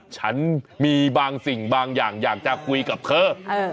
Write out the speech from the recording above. ฉันมีบางสิ่งบางอย่างอยากจะคุยกับเธอ